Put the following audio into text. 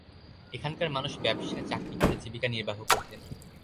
এখানকার মানুষ ব্যবসা, চাকরি করে জীবিকা নির্বাহ করতেন।